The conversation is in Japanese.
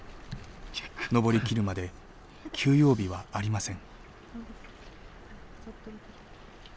登り切るまで休養日はありません。